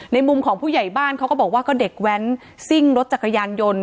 มุมของผู้ใหญ่บ้านเขาก็บอกว่าก็เด็กแว้นซิ่งรถจักรยานยนต์